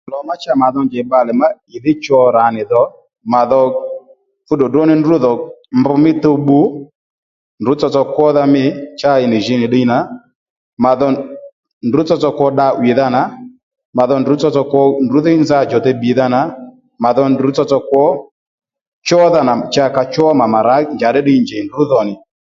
Lò ma cha ma vi njèy bbalè má ì dhí cho rà nì dho màdho fú ddròddró ní ndrú dho mbr mí tuw bbu ndrǔ tsotso kwódha mî cha ì nì jǐ nì ddiy nà mà dho ndrú tsotso kwo dda 'wìdha nà mà dho ndrú tsotso kwo ndrǔ dhí nza djò tey bbìdha nà mà dho ndrú tsotso kwo chódha nà cha ka chó mà màrǎ njàddí ddiy njèy ndrǔ dhò nì